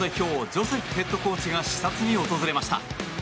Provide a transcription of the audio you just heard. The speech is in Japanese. ジョセフヘッドコーチが視察に訪れました。